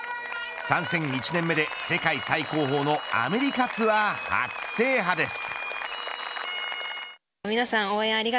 参戦１年目で、世界最高峰のアメリカツアー初制覇です。